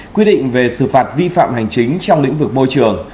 quy định về xử phạt vi phạm hành chính trong lĩnh vực môi trường